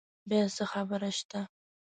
بیا څه خبره شته؟